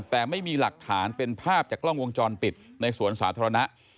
แต่ไม่มีหลักฐานเป็นภาพจากกล้องวงจรปิดในสวนสาธารณะ